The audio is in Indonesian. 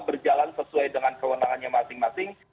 berjalan sesuai dengan kewenangannya masing masing